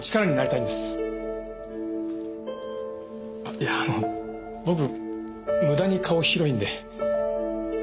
いやあの僕ムダに顔広いんで。